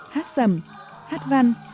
hát sầm hát văn